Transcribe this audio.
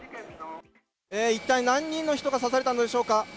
一体、何人の人が刺されたのでしょうか。